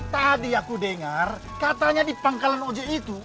tadi aku dengar katanya di pangkalan oj itu